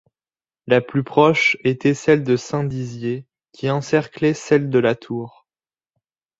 La plus proche était celle de Saint-Dizier, qui encerclait celle de La Tour.